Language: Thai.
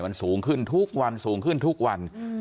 มันสูงขึ้นทุกวันสูงขึ้นทุกวัน